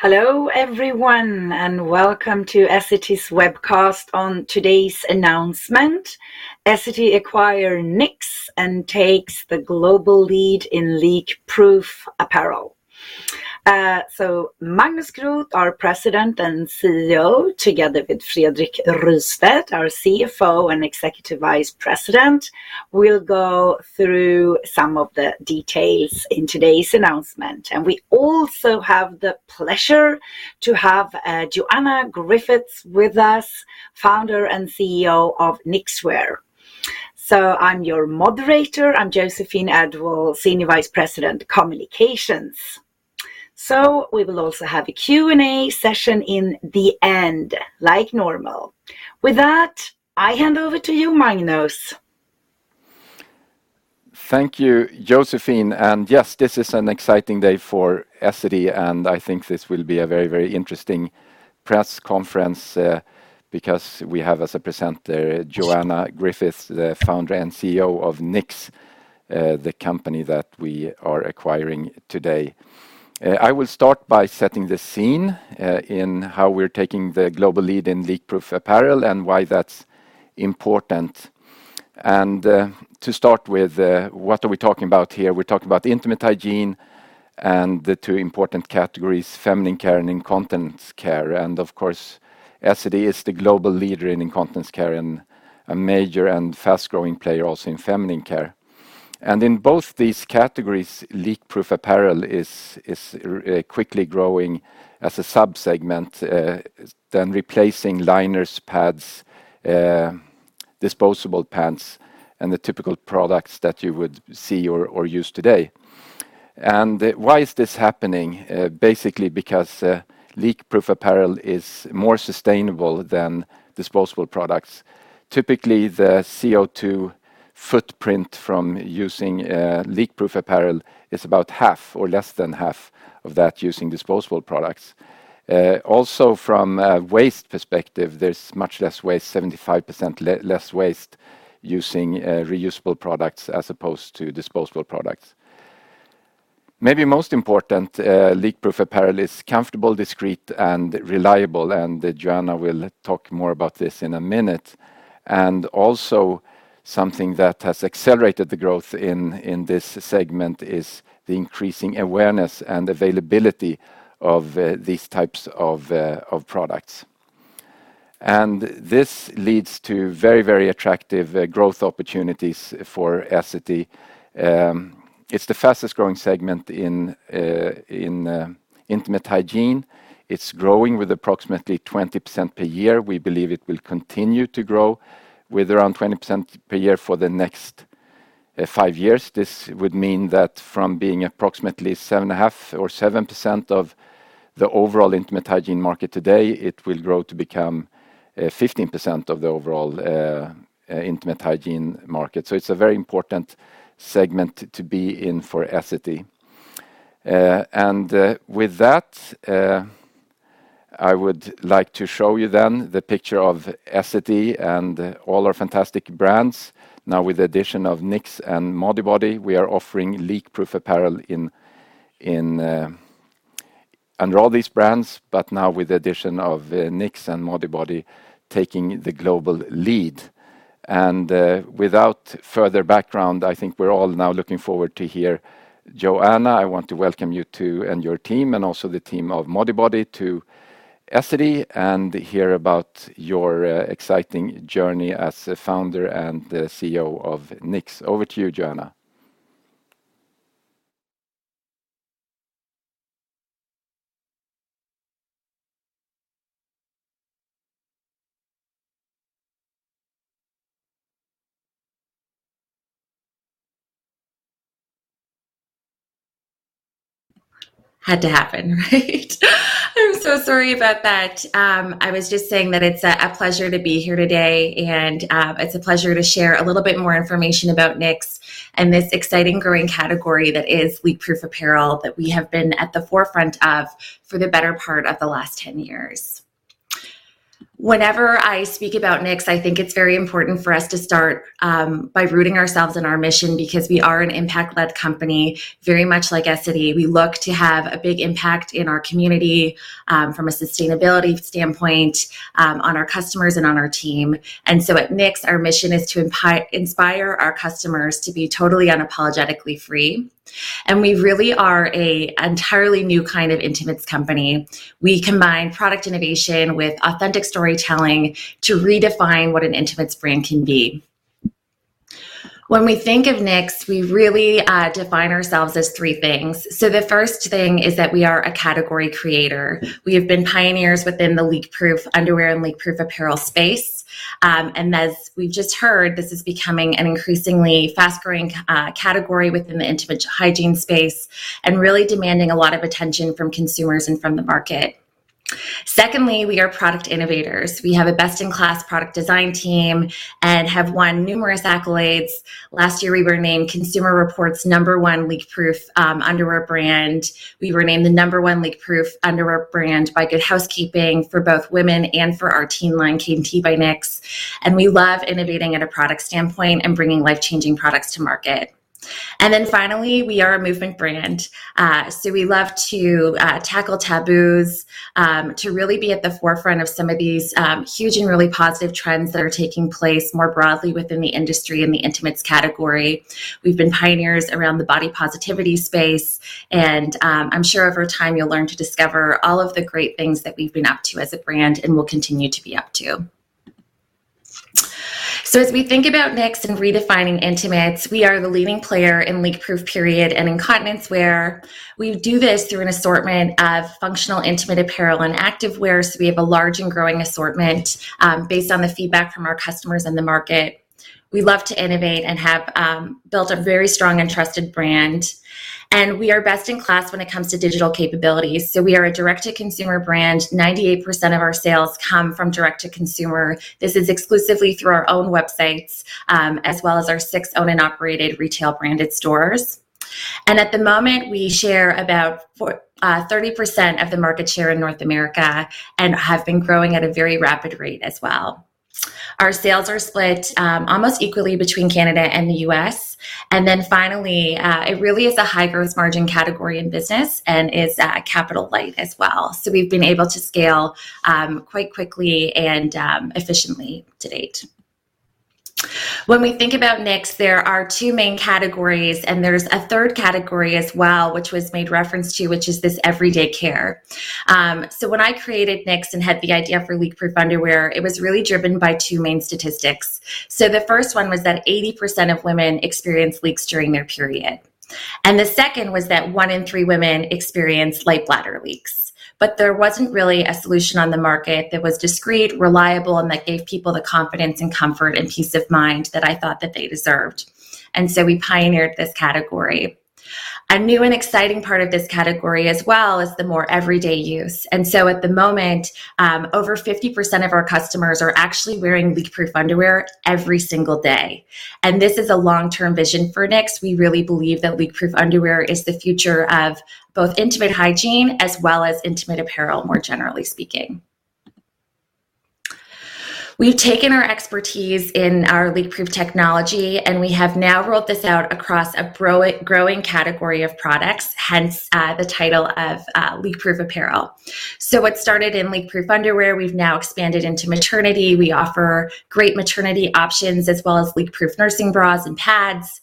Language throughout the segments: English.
Hello everyone, and welcome to Essity's webcast on today's announcement, Essity acquires Knix and takes the global lead in leakproof apparel. Magnus Groth, our President and CEO, together with Fredrik Rystedt, our CFO and Executive Vice President, will go through some of the details in today's announcement. We also have the pleasure to have Joanna Griffiths with us, Founder and CEO of Knix Wear. I'm your moderator. I'm Joséphine Edwall-Björklund, Senior Vice President, Communications. We will also have a Q&A session in the end, like normal. With that, I hand over to you, Magnus. Thank you, Joséphine. Yes, this is an exciting day for Essity, and I think this will be a very, very interesting press conference, because we have as a presenter Joanna Griffiths, the Founder and CEO of Knix, the company that we are acquiring today. I will start by setting the scene, in how we're taking the global lead in leakproof apparel and why that's important. To start with, what are we talking about here? We're talking about intimate hygiene and the two important categories, feminine care and incontinence care. Of course, Essity is the global leader in incontinence care and a major and fast-growing player also in feminine care. In both these categories, leakproof apparel is quickly growing as a sub-segment, then replacing liners, pads, disposable pants, and the typical products that you would see or use today. Why is this happening? Basically because leakproof apparel is more sustainable than disposable products. Typically, the CO2 footprint from using leakproof apparel is about half or less than half of that using disposable products. Also from a waste perspective, there's much less waste, 75% less waste using reusable products as opposed to disposable products. Maybe most important, leakproof apparel is comfortable, discreet, and reliable, and Joanna will talk more about this in a minute. Also something that has accelerated the growth in this segment is the increasing awareness and availability of these types of products. This leads to very, very attractive growth opportunities for Essity. It's the fastest-growing segment in intimate hygiene. It's growing with approximately 20% per year. We believe it will continue to grow with around 20% per year for the next 5 years. This would mean that from being approximately 7.5% or 7% of the overall intimate hygiene market today, it will grow to become 15% of the overall intimate hygiene market. It's a very important segment to be in for Essity. With that, I would like to show you then the picture of Essity and all our fantastic brands. Now with the addition of Knix and Modibodi, we are offering leakproof apparel under all these brands, but now with the addition of Knix and Modibodi taking the global lead. Without further background, I think we're all now looking forward to hear Joanna. I want to welcome you too and your team and also the team of Modibodi to Essity and hear about your exciting journey as a founder and the CEO of Knix. Over to you, Joanna. Had to happen, right? I'm so sorry about that. I was just saying that it's a pleasure to be here today, and it's a pleasure to share a little bit more information about Knix and this exciting growing category that is leakproof apparel that we have been at the forefront of for the better part of the last 10 years. Whenever I speak about Knix, I think it's very important for us to start by rooting ourselves in our mission because we are an impact-led company. Very much like Essity, we look to have a big impact in our community from a sustainability standpoint on our customers and on our team. At Knix, our mission is to inspire our customers to be totally unapologetically free, and we really are an entirely new kind of intimates company. We combine product innovation with authentic storytelling to redefine what an intimates brand can be. When we think of Knix, we really define ourselves as three things. The first thing is that we are a category creator. We have been pioneers within the leakproof underwear and leakproof apparel space. As we've just heard, this is becoming an increasingly fast-growing category within the intimate hygiene space and really demanding a lot of attention from consumers and from the market. Secondly, we are product innovators. We have a best-in-class product design team and have won numerous accolades. Last year, we were named Consumer Reports' number one leakproof underwear brand. We were named the number one leakproof underwear brand by Good Housekeeping for both women and for our teen line, Kt by Knix. We love innovating at a product standpoint and bringing life-changing products to market. We are a movement brand. We love to tackle taboos to really be at the forefront of some of these huge and really positive trends that are taking place more broadly within the industry in the intimates category. We've been pioneers around the body positivity space, and I'm sure over time you'll learn to discover all of the great things that we've been up to as a brand and will continue to be up to. As we think about Knix and redefining intimates, we are the leading player in leakproof period and incontinence wear. We do this through an assortment of functional intimate apparel and active wear, so we have a large and growing assortment based on the feedback from our customers and the market. We love to innovate and have built a very strong and trusted brand, and we are best in class when it comes to digital capabilities. We are a direct to consumer brand. 98% of our sales come from direct to consumer. This is exclusively through our own websites, as well as our 6 owned and operated retail branded stores. At the moment, we share about 30% of the market share in North America and have been growing at a very rapid rate as well. Our sales are split, almost equally between Canada and the U.S. Finally, it really is a high gross margin category in business and is capital light as well, so we've been able to scale quite quickly and efficiently to date. When we think about Knix, there are two main categories, and there's a third category as well, which was made reference to, which is this everyday care. When I created Knix and had the idea for leakproof underwear, it was really driven by two main statistics. The first one was that 80% of women experience leaks during their period, and the second was that one in three women experience light bladder leaks. There wasn't really a solution on the market that was discreet, reliable, and that gave people the confidence and comfort and peace of mind that I thought that they deserved, and we pioneered this category. A new and exciting part of this category as well is the more everyday use. At the moment, over 50% of our customers are actually wearing leakproof underwear every single day, and this is a long-term vision for Knix. We really believe that leakproof underwear is the future of both intimate hygiene as well as intimate apparel, more generally speaking. We've taken our expertise in our leakproof technology, and we have now rolled this out across a growing category of products, hence, the title of leakproof apparel. What started in leakproof underwear, we've now expanded into maternity. We offer great maternity options as well as leakproof nursing bras and pads.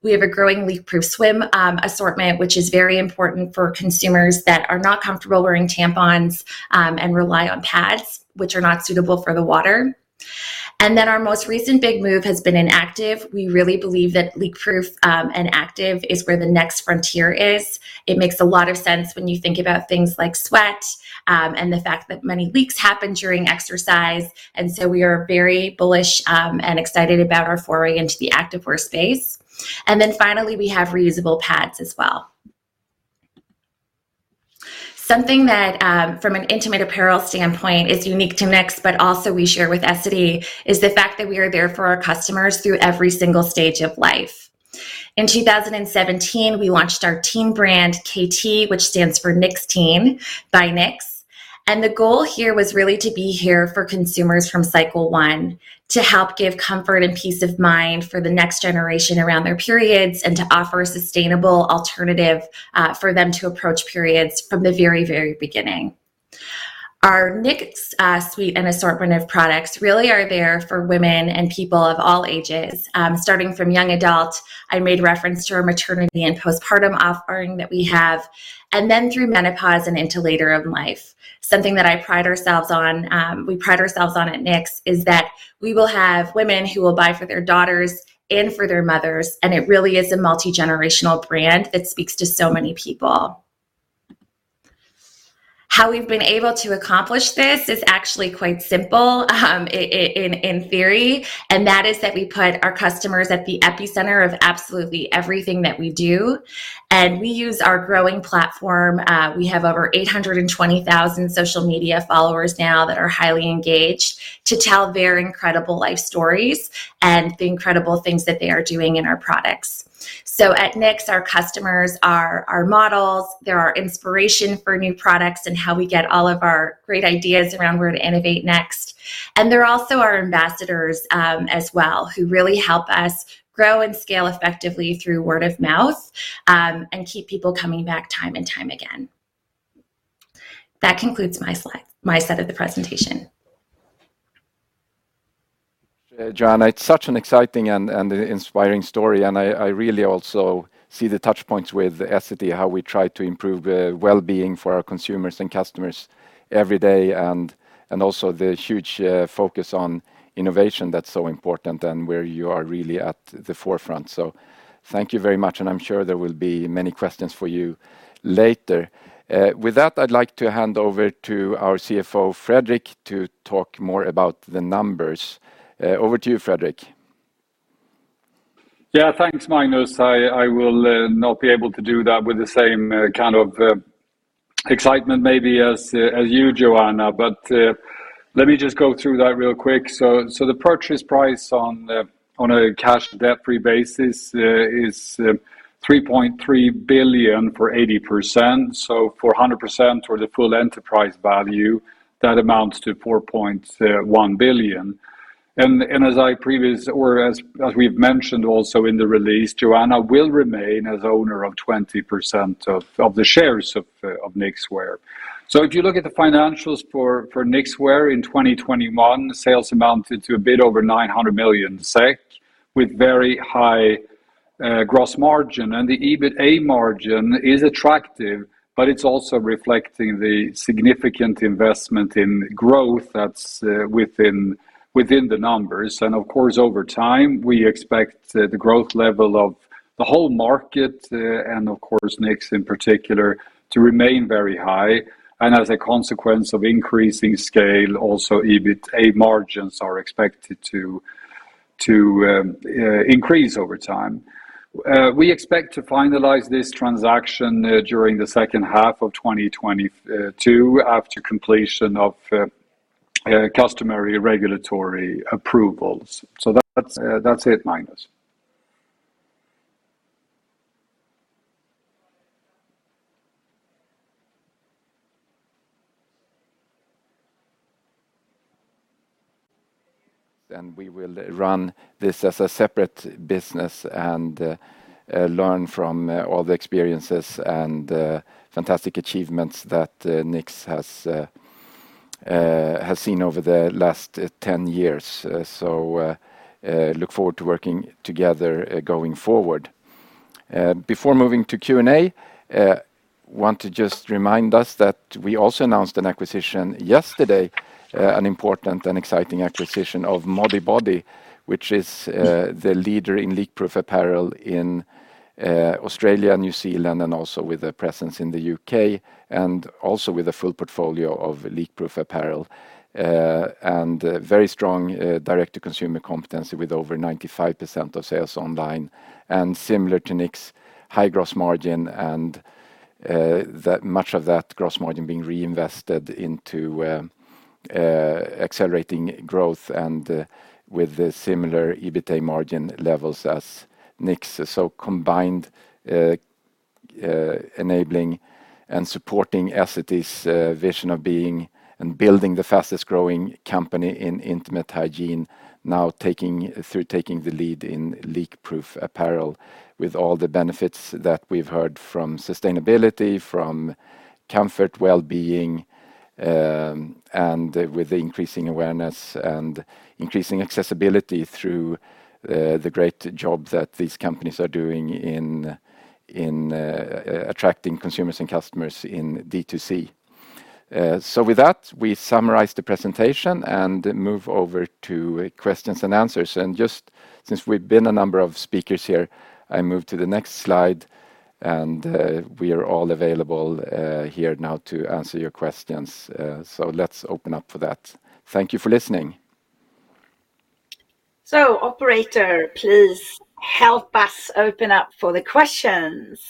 We have a growing leakproof swim assortment, which is very important for consumers that are not comfortable wearing tampons, and rely on pads, which are not suitable for the water. Then our most recent big move has been in active. We really believe that leakproof and active is where the next frontier is. It makes a lot of sense when you think about things like sweat and the fact that many leaks happen during exercise. We are very bullish and excited about our foray into the active wear space. Finally, we have reusable pads as well. Something that from an intimate apparel standpoint is unique to Knix, but also we share with Essity, is the fact that we are there for our customers through every single stage of life. In 2017, we launched our teen brand, Kt, which stands for Knix Teen, by Knix. The goal here was really to be here for consumers from cycle one, to help give comfort and peace of mind for the next generation around their periods and to offer a sustainable alternative for them to approach periods from the very, very beginning. Our Knix suite and assortment of products really are there for women and people of all ages, starting from young adult. I made reference to our maternity and postpartum offering that we have, and then through menopause and into later in life. We pride ourselves on at Knix is that we will have women who will buy for their daughters and for their mothers, and it really is a multi-generational brand that speaks to so many people. How we've been able to accomplish this is actually quite simple, in theory, and that is that we put our customers at the epicenter of absolutely everything that we do, and we use our growing platform. We have over 820,000 social media followers now that are highly engaged to tell their incredible life stories and the incredible things that they are doing in our products. At Knix, our customers are our models, they're our inspiration for new products and how we get all of our great ideas around where to innovate next. They're also our ambassadors, as well, who really help us grow and scale effectively through word of mouth, and keep people coming back time and time again. That concludes my side of the presentation. Joanna, it's such an exciting and inspiring story, and I really also see the touch points with Essity, how we try to improve wellbeing for our consumers and customers every day and also the huge focus on innovation that's so important and where you are really at the forefront. Thank you very much, and I'm sure there will be many questions for you later. With that, I'd like to hand over to our CFO, Fredrik, to talk more about the numbers. Over to you, Fredrik. Yeah. Thanks, Magnus. I will not be able to do that with the same kind of excitement maybe as you, Joanna, but let me just go through that real quick. The purchase price on a cash and debt-free basis is 3.3 billion for 80%. For 100% or the full enterprise value that amounts to 4.1 billion. As we've mentioned also in the release, Joanna will remain as owner of 20% of the shares of Knix Wear. If you look at the financials for Knix Wear in 2021, sales amounted to a bit over 900 million SEK, with very high gross margin. The EBITA margin is attractive, but it's also reflecting the significant investment in growth that's within the numbers. Of course, over time, we expect the growth level of the whole market and of course Knix in particular, to remain very high. As a consequence of increasing scale, also EBITA margins are expected to increase over time. We expect to finalize this transaction during the second half of 2022, after completion of customary regulatory approvals. That's it, Magnus. We will run this as a separate business and learn from all the experiences and fantastic achievements that Knix has seen over the last 10 years. Look forward to working together going forward. Before moving to Q&A, want to just remind us that we also announced an acquisition yesterday, an important and exciting acquisition of Modibodi, which is the leader in leakproof apparel in Australia, New Zealand, and also with a presence in the U.K, and also with a full portfolio of leakproof apparel. Very strong direct-to-consumer competency with over 95% of sales online. Similar to Knix, high gross margin and that much of that gross margin being reinvested into accelerating growth and with the similar EBITA margin levels as Knix. Combined, enabling and supporting Essity's vision of being and building the fastest-growing company in intimate hygiene, now through taking the lead in leakproof apparel with all the benefits that we've heard from sustainability, from comfort, wellbeing, and with the increasing awareness and increasing accessibility through the great job that these companies are doing in attracting consumers and customers in D2C. With that, we summarize the presentation and move over to questions and answers. Just since we've had a number of speakers here, I move to the next slide, and we are all available here now to answer your questions. Let's open up for that. Thank you for listening. Operator, please help us open up for the questions.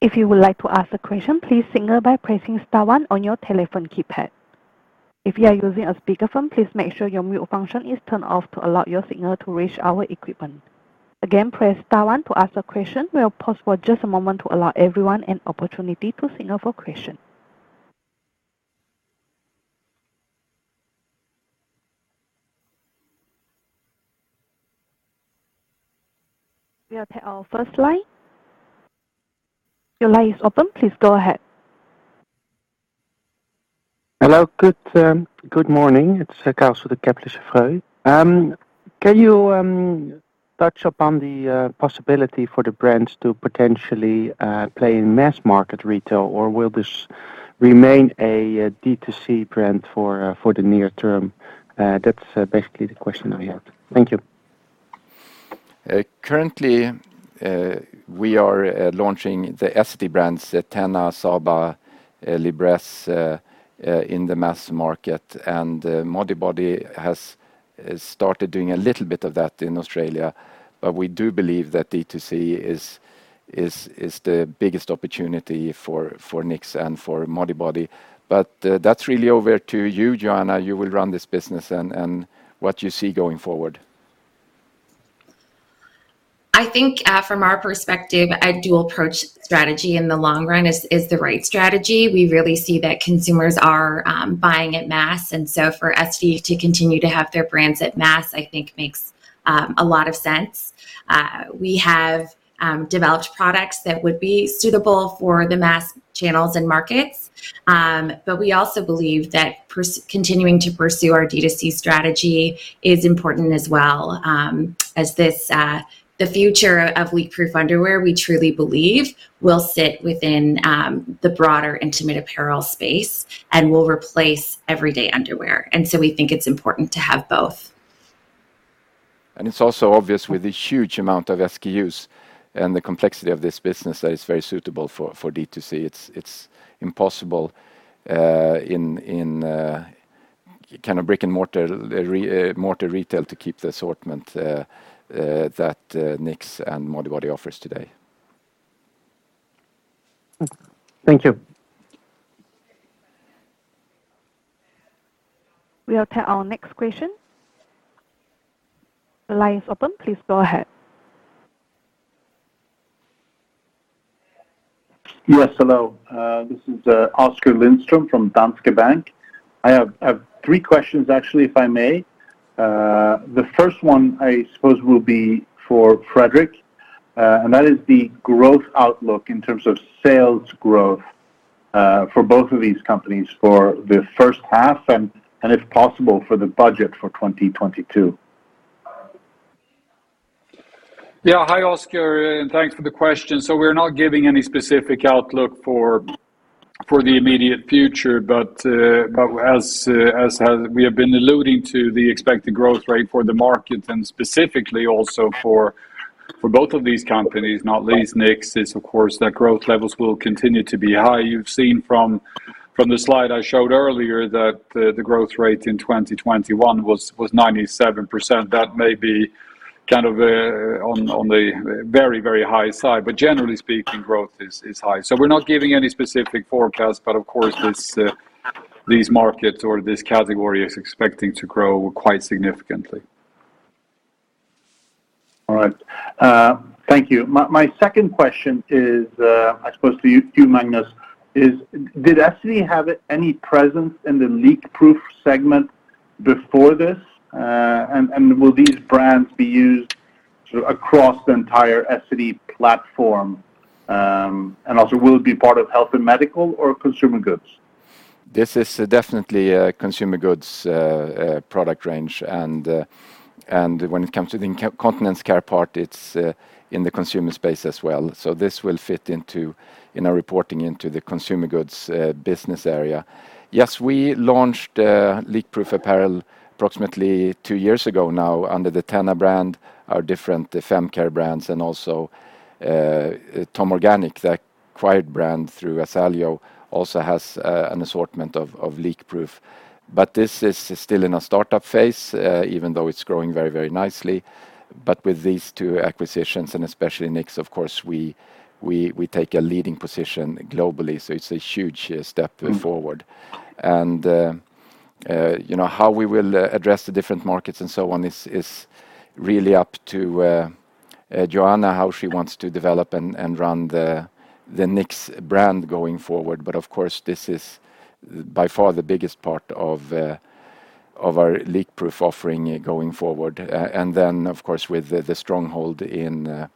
If you would like to ask a question, please signal by pressing star one on your telephone keypad. If you are using a speakerphone, please make sure your mute function is turned off to allow your signal to reach our equipment. Again, press star one to ask a question. We'll pause for just a moment to allow everyone an opportunity to signal for question. We'll take our first line. Your line is open. Please go ahead. Hello. Good morning. It's Carl from the Kepler Cheuvreux. Can you touch upon the possibility for the brands to potentially play in mass market retail, or will this remain a D2C brand for the near term? That's basically the question I have. Thank you. Currently, we are launching the Essity brands, TENA, Saba, Libresse, in the mass market. Modibodi has started doing a little bit of that in Australia. We do believe that D2C is the biggest opportunity for Knix and for Modibodi. That's really over to you, Joanna. You will run this business and what you see going forward. I think, from our perspective, a dual approach strategy in the long run is the right strategy. We really see that consumers are buying at mass, and so for Essity to continue to have their brands at mass, I think makes a lot of sense. We have developed products that would be suitable for the mass channels and markets. But we also believe that continuing to pursue our D2C strategy is important as well, as this, the future of leak-proof underwear, we truly believe will sit within the broader intimate apparel space and will replace everyday underwear. We think it's important to have both. It's also obvious with the huge amount of SKUs and the complexity of this business that it's very suitable for D2C. It's impossible in kind of brick-and-mortar retail to keep the assortment that Knix and Modibodi offers today. Thank you. We'll take our next question. The line is open. Please go ahead. Yes, hello. This is Oskar Lindström from Danske Bank. I have three questions actually if I may. The first one, I suppose, will be for Fredrik, and that is the growth outlook in terms of sales growth, for both of these companies for the first half and if possible, for the budget for 2022. Hi, Oskar, and thanks for the question. We're not giving any specific outlook for the immediate future, but as we have been alluding to the expected growth rate for the market and specifically also for both of these companies, not least Knix, is of course their growth levels will continue to be high. You've seen from the slide I showed earlier that the growth rate in 2021 was 97%. That may be kind of on the very high side, but generally speaking, growth is high. We're not giving any specific forecast, but of course these markets or this category is expecting to grow quite significantly. All right. Thank you. My second question is, I suppose to you, Magnus, is did Essity have any presence in the leakproof segment before this? Will these brands be used sort of across the entire Essity platform? Also, will it be part of health and medical or consumer goods? This is definitely a consumer goods product range, and when it comes to the incontinence care part, it's in the consumer space as well. This will fit into our reporting into the consumer goods business area. We launched leakproof apparel approximately 2 years ago now under the TENA brand, our different fem care brands, and also TOM Organic, the acquired brand through Asaleo, also has an assortment of leakproof. This is still in a startup phase, even though it's growing very nicely. With these two acquisitions and especially Knix, of course, we take a leading position globally. It's a huge step forward. you know, how we will address the different markets and so on is really up to Joanna, how she wants to develop and run the Knix brand going forward. Of course, this is by far the biggest part of our leakproof offering going forward. Of course, with the stronghold in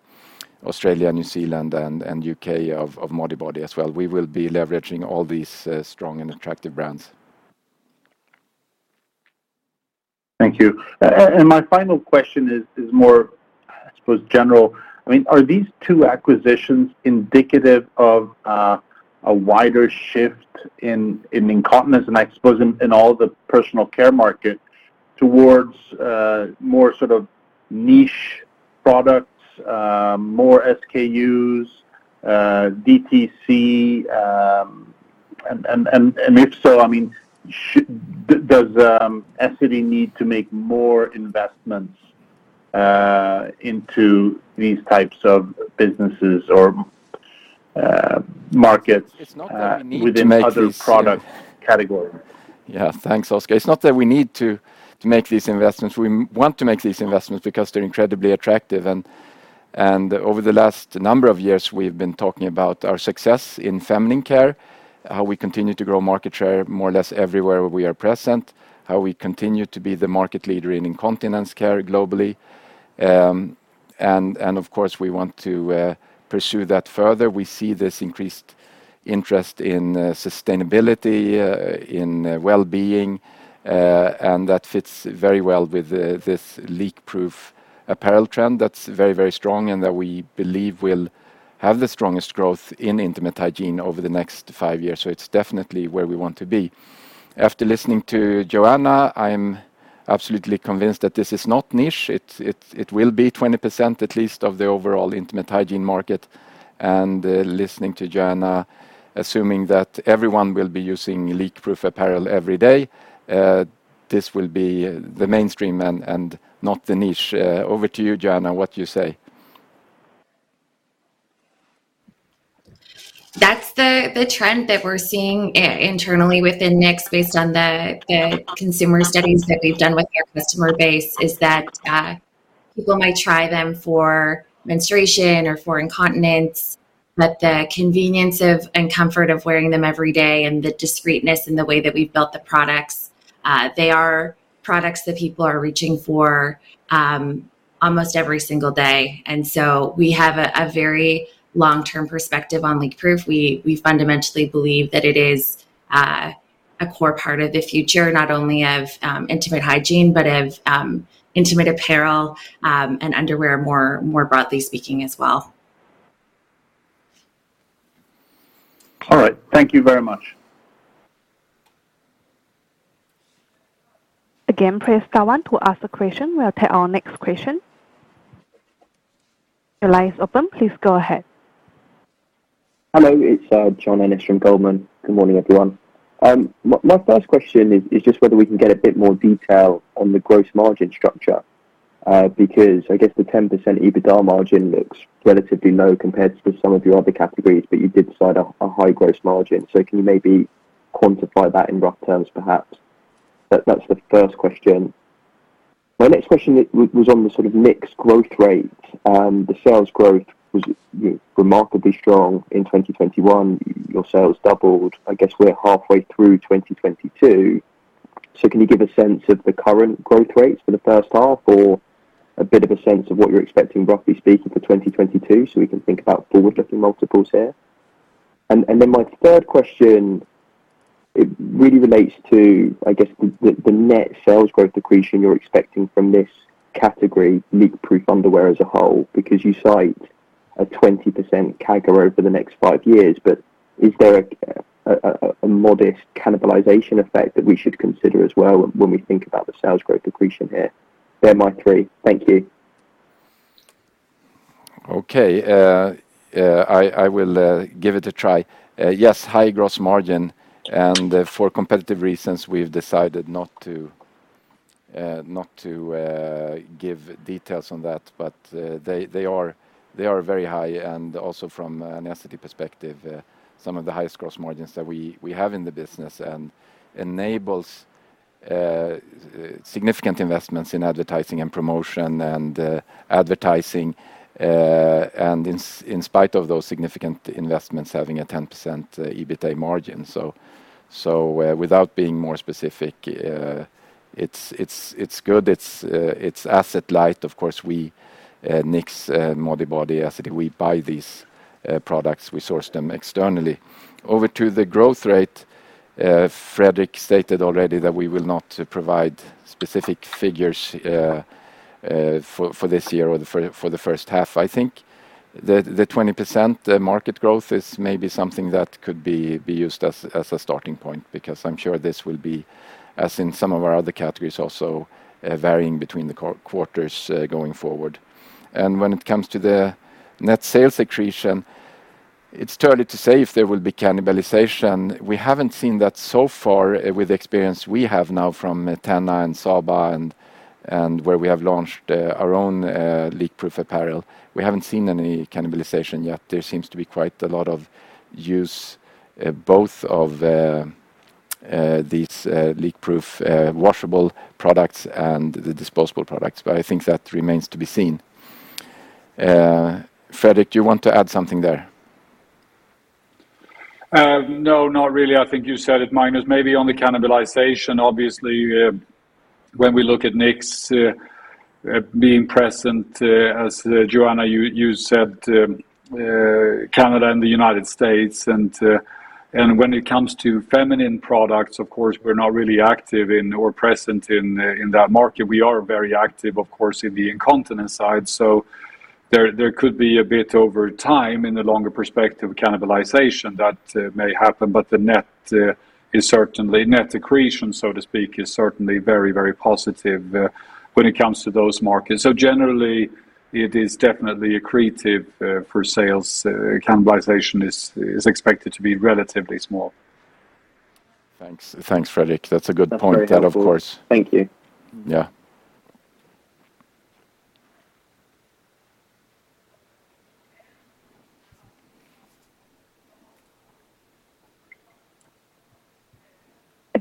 Australia, New Zealand and U.K. Of Modibodi as well. We will be leveraging all these strong and attractive brands. Thank you. My final question is more general, I suppose. I mean, are these two acquisitions indicative of a wider shift in incontinence and I suppose in all the personal care market towards more sort of niche products, more SKUs, D2C, and if so, I mean, does Essity need to make more investments into these types of businesses or markets? It's not that we need to make these. within other product category? Yeah. Thanks, Oskar. It's not that we need to make these investments. We want to make these investments because they're incredibly attractive. Over the last number of years, we've been talking about our success in feminine care, how we continue to grow market share more or less everywhere we are present, how we continue to be the market leader in incontinence care globally, and of course, we want to pursue that further. We see this increased interest in sustainability, in wellbeing, and that fits very well with this leakproof apparel trend that's very, very strong and that we believe will have the strongest growth in intimate hygiene over the next five years. It's definitely where we want to be. After listening to Joanna, I'm absolutely convinced that this is not niche. It will be 20% at least of the overall intimate hygiene market. Listening to Joanna, assuming that everyone will be using leakproof apparel every day, this will be the mainstream and not the niche. Over to you, Joanna, what do you say? That's the trend that we're seeing internally within Knix based on the consumer studies that we've done with their customer base is that people might try them for menstruation or for incontinence, but the convenience and comfort of wearing them every day and the discreetness in the way that we've built the products, they are products that people are reaching for almost every single day. We have a very long-term perspective on leakproof. We fundamentally believe that it is a core part of the future, not only of intimate hygiene, but of intimate apparel, and underwear more broadly speaking as well. All right. Thank you very much. Again, press star one to ask a question. We'll take our next question. Your line is open. Please go ahead. Hello. It's John Ennis from Goldman. Good morning, everyone. My first question is just whether we can get a bit more detail on the gross margin structure, because I guess the 10% EBITDA margin looks relatively low compared to some of your other categories, but you did cite a high gross margin. Can you maybe quantify that in rough terms perhaps? That's the first question. My next question was on the sort of Knix growth rate. The sales growth was remarkably strong in 2021. Your sales doubled. I guess we're halfway through 2022. Can you give a sense of the current growth rates for the first half or a bit of a sense of what you're expecting, roughly speaking, for 2022 so we can think about forward-looking multiples here? My third question, it really relates to, I guess, the net sales growth accretion you're expecting from this category, leakproof underwear as a whole, because you cite a 20% CAGR over the next five years. Is there a modest cannibalization effect that we should consider as well when we think about the sales growth accretion here? They're my three. Thank you. Okay. I will give it a try. Yes, high gross margin, and for competitive reasons we've decided not to give details on that. They are very high and also from an asset perspective, some of the highest gross margins that we have in the business and enables significant investments in advertising and promotion and advertising and in spite of those significant investments having a 10% EBITDA margin. Without being more specific, it's good. It's asset light. Of course, we Knix, Modibodi asset, we buy these products, we source them externally. Over to the growth rate, Fredrik stated already that we will not provide specific figures for this year or the first half. I think the 20% market growth is maybe something that could be used as a starting point because I'm sure this will be, as in some of our other categories also, varying between the quarters going forward. When it comes to the net sales accretion, it's too early to say if there will be cannibalization. We haven't seen that so far with the experience we have now from TENA and Saba and where we have launched our own leakproof apparel. We haven't seen any cannibalization yet. There seems to be quite a lot of use, both of these leakproof washable products and the disposable products, but I think that remains to be seen. Fredrik, do you want to add something there? No, not really. I think you said it, Magnus. Maybe on the cannibalization, obviously, when we look at Knix being present, as Joanna you said, Canada and the United States, and when it comes to feminine products, of course, we're not really active in or present in that market. We are very active, of course, in the incontinence side. So there could be a bit over time, in the longer perspective, cannibalization that may happen. But the net is certainly net accretion, so to speak, is certainly very, very positive when it comes to those markets. So generally, it is definitely accretive for sales. Cannibalization is expected to be relatively small. Thanks. Thanks, Fredrik. That's a good point. That's very helpful. That, of course. Thank you.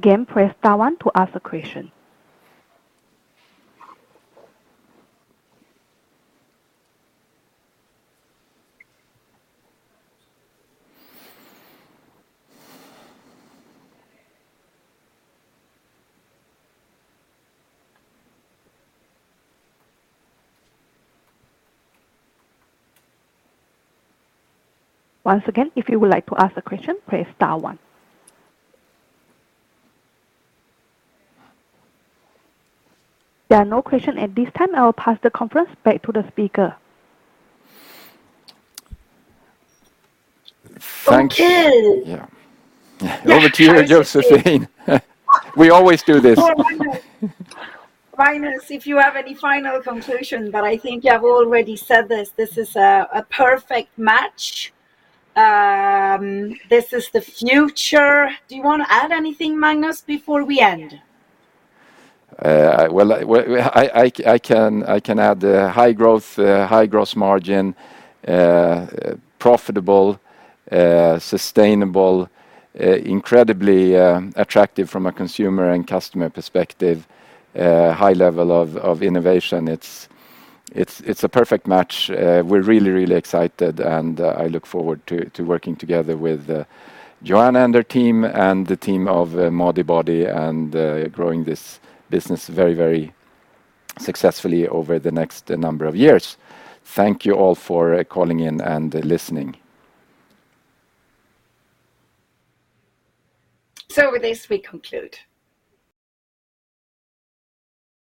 Yeah. Again, press star one to ask a question. Once again, if you would like to ask a question, press star one. There are no questions at this time. I will pass the conference back to the speaker. Thank you. Okay. Yeah. Over to you, Joséphine. We always do this. Magnus, if you have any final conclusion, but I think you have already said this is a perfect match. This is the future. Do you wanna add anything, Magnus, before we end? Well, I can add high growth, high gross margin, profitable, sustainable, incredibly attractive from a consumer and customer perspective, high level of innovation. It's a perfect match. We're really excited, and I look forward to working together with Joanna and her team and the team of Modibodi and growing this business very successfully over the next number of years. Thank you all for calling in and listening. With this, we conclude.